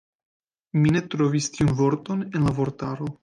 Mi ne trovis tiun vorton en la vortaro.